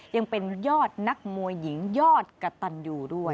ยังเป็นยอดนักมวยหญิงยอดกะตันยูด้วย